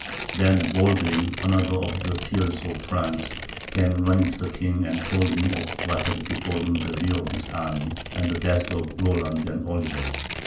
Then Baldwin, another of the peers of France, came running to the king and told him of what had befallen the rear of his army, and the death of Roland and Oliver.